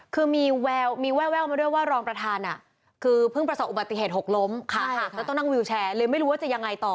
คือมีแววมาด้วยว่ารองประธานคือเพิ่งประสบอุบัติเหตุหกล้มแล้วต้องนั่งวิวแชร์เลยไม่รู้ว่าจะยังไงต่อ